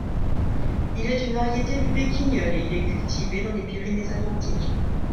Il est une variété du béquignol et il est cultivé dans les Pyrénées-Atlantiques.